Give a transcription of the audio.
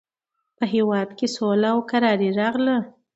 په هېواد کې سوله او کراري راغله.